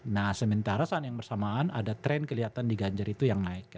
nah sementara saat yang bersamaan ada tren kelihatan di ganjar itu yang naik